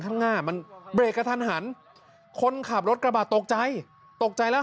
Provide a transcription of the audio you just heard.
ข้างหน้ามันเบรกกระทันหันคนขับรถกระบะตกใจตกใจแล้ว